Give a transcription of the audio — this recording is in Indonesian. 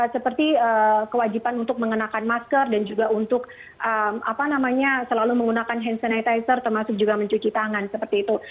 seperti kewajiban untuk mengenakan masker dan juga untuk selalu menggunakan hand sanitizer termasuk juga mencuci tangan seperti itu